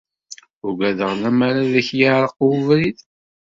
Ugadeɣ lemmer ad ak-yeɛreq webrid.